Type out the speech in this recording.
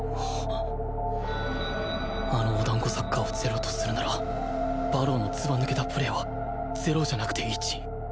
あのお団子サッカーを０とするなら馬狼のずば抜けたプレーは０じゃなくて１